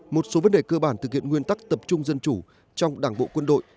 một số vấn đề cơ bản thực hiện nguyên tắc tập trung dân chủ trong đảng bộ quân đội